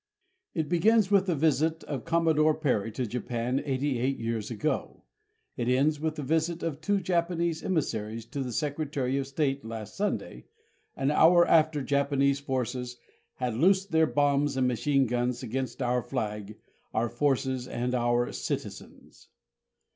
It begins with the visit of Commodore Perry to Japan eighty eight years ago. It ends with the visit of two Japanese emissaries to the Secretary of State last Sunday, an hour after Japanese forces had loosed their bombs and machine guns against our flag, our forces and our citizens.